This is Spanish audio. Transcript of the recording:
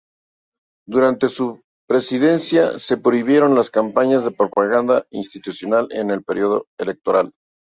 Durante su presidencia se prohibieron las campañas de propaganda institucional en periodo electoral.